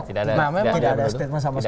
namanya tidak ada statement sama sekali